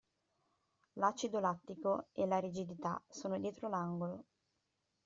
L'acido lattico e la rigidità sono dietro l'angolo.